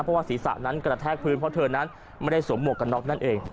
เพราะว่าศีรษะนั้นกระแทกพื้นเพราะเธอนั้นไม่ได้สวมหมวกกันน็อกนั่นเอง